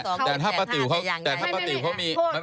แต่ถ้าป้าติ๋วเขามี